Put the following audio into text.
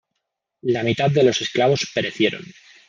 La mitad de los esclavos perecieron.